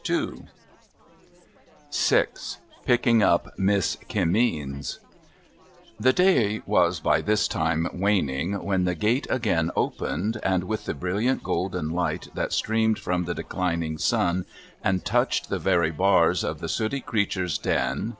VI PlCKIXG UP MISS KIMMEEXS / The day was by this time waning, when the gate again opened, and, with the brilliant golden light that streamed from the declining sun and touched the very bars of the sooty creature's den, there <Lyo'?